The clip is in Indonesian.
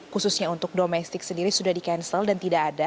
khususnya untuk domestik sendiri sudah di cancel dan tidak ada